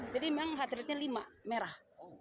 jadi memang heart rate nya lima merah